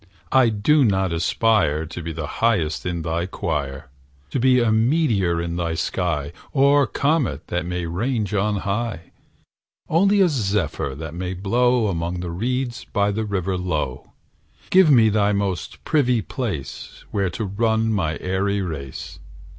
I do not aspire To be the highest in thy choir, To be a meteor in thy sky, Or comet that may range on high; Only a zephyr that may blow Among the reeds by the river low; Give me thy most privy place Where to run my airy race.